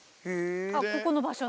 あっここの場所の？